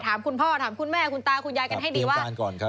ถามคุณพ่อถามคุณแม่คุณตาคุณยายกันให้ดีว่า